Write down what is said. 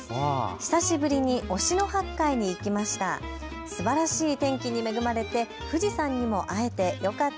久しぶりに忍野八海に行きました。